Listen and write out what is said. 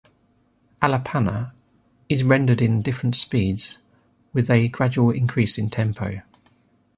Alapana is rendered in different speeds, with a gradual increase in tempo.